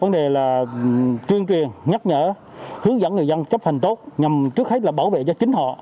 vấn đề là tuyên truyền nhắc nhở hướng dẫn người dân chấp hành tốt nhằm trước hết là bảo vệ cho chính họ